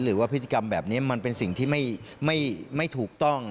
หรือว่าพฤติกรรมแบบนี้มันเป็นสิ่งที่ไม่ถูกต้อง